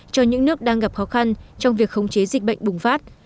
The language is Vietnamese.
cho những nước đang gặp khó khăn trong việc khống chế dịch bệnh bùng phát